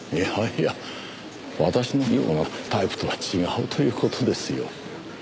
いやいや私のようなタイプとは違うという事ですよ。